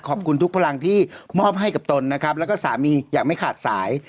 ขอบคุณทุกพลังที่มอบให้กับตนนะครับแล้วก็สามีอย่างไม่ขาดสาย